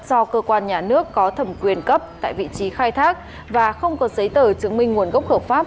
do cơ quan nhà nước có thẩm quyền cấp tại vị trí khai thác và không có giấy tờ chứng minh nguồn gốc hợp pháp